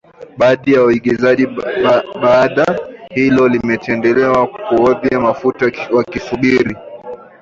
Baadhi ya waagizaji bidhaa hiyo wameendelea kuhodhi mafuta wakisubiri